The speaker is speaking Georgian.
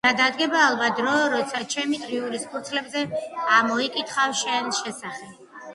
...და დადგება ალბათ დრო, როცა ჩემი დღიურის ფურცლებზე ამოიკითხავ შენ შესახებ.